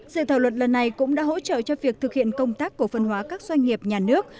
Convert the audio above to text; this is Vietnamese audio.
dự thảo luật lần này cũng đã hỗ trợ cho việc thực hiện công tác cổ phân hóa các doanh nghiệp nhà nước